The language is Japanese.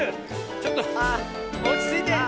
ちょっとおちついて。